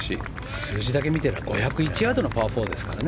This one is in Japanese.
数字だけ見れば５０１ヤードのパー４ですからね。